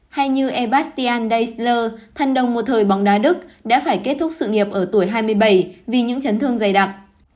hay như sebastian deissler thân đông một thời bóng đá đức đã phải kết thúc sự nghiệp ở tuổi hai mươi bảy vì những chấn thương dày đặc